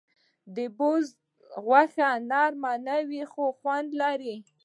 د بزه غوښه نرم نه وي، خو خوند لري.